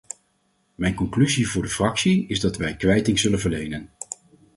Mijn conclusie voor de fractie is dat wij kwijting zullen verlenen.